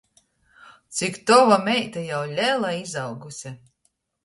Cik tova meita jau lela izauguse!